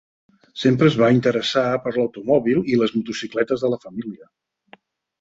Sempre es va interessar per l'automòbil i les motocicletes de la família.